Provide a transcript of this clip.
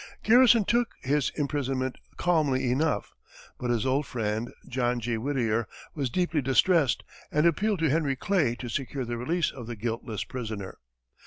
Garrison took his imprisonment calmly enough, but his old friend, John G. Whittier, was deeply distressed and appealed to Henry Clay to secure the release of the "guiltless prisoner."